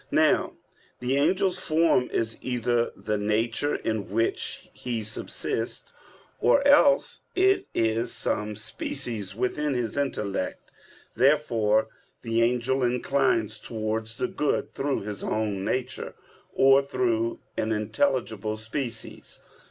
Now the angel's form is either the nature in which he subsists, or else it is some species within his intellect. Therefore the angel inclines towards the good through his own nature, or through an intelligible species.